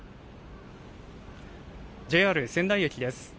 ＪＲ仙台駅です。